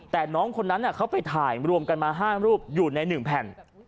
แต่น้องคนนั้นเขาไปถ่ายรวมกันมา๕รูปอยู่ใน๑แผ่น